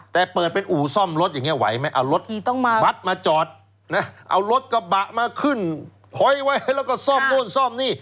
แต่เปิดเป็นอู่ซ่อมรถอย่างนี้ไหวไหมเอารถบัตรมาจอดนะเอารถกระบะมาขึ้นหอยไว้แล้วก็ซ่อมโน่นซ่อมนี่